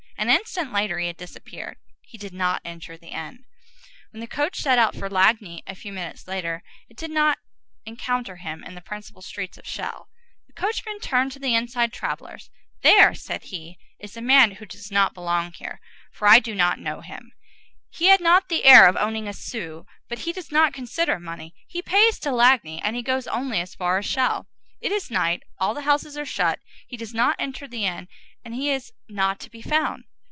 An instant later he had disappeared. He did not enter the inn. When the coach set out for Lagny a few minutes later, it did not encounter him in the principal street of Chelles. The coachman turned to the inside travellers. "There," said he, "is a man who does not belong here, for I do not know him. He had not the air of owning a sou, but he does not consider money; he pays to Lagny, and he goes only as far as Chelles. It is night; all the houses are shut; he does not enter the inn, and he is not to be found.